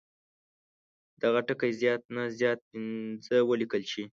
دغه ټکي زیات نه زیات پنځه ولیکل شي.